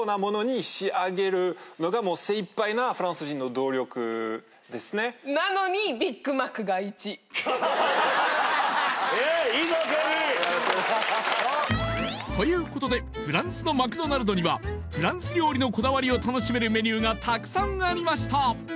とりあえずイエーイいいぞケイリーンということでフランスのマクドナルドにはフランス料理のこだわりを楽しめるメニューがたくさんありました